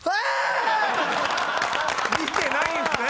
見てないんですね。